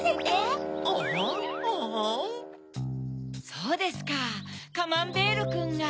そうですかカマンベールくんが。